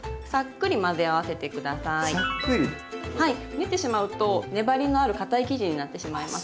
練ってしまうと粘りのあるかたい生地になってしまいます。